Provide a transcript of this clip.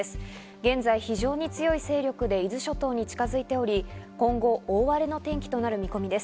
現在、非常に強い勢力で伊豆諸島に近づいており、今後、大荒れの天気となる見込みです。